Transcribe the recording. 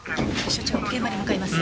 所長現場に向かいます。